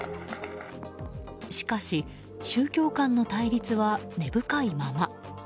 しかし、宗教間の対立は根深いまま。